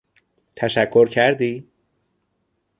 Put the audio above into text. تشکر کردی؟